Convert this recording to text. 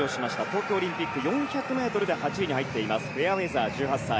東京オリンピック４００ｍで８位に入っているフェアウェザー。